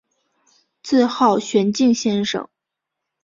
自号玄静先生。